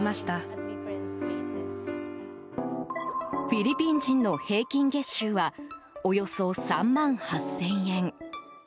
フィリピン人の平均月収はおよそ３万８０００円。